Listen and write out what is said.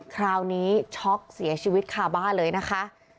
คราวนี้ช็อกเสียชีวิตคาบ้านเลยนะคะ